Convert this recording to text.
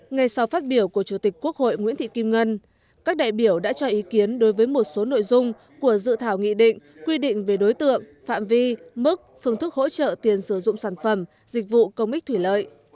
ngay sau phát biểu của chủ tịch quốc hội nguyễn thị kim ngân các đại biểu đã cho ý kiến đối với một số nội dung của dự thảo nghị định quy định về đối tượng phạm vi mức phương thức hỗ trợ tiền sử dụng sản phẩm dịch vụ công ích thủy lợi